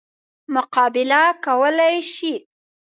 مقابله کولای شي.